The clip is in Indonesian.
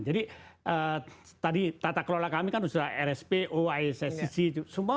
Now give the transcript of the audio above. jadi tadi tata kelola kami kan sudah rsp oisc semua sudah